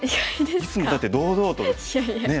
いつもだって堂々とねえ。